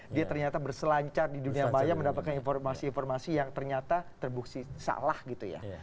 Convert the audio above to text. dia ternyata berselancar di dunia maya mendapatkan informasi informasi yang ternyata terbukti salah gitu ya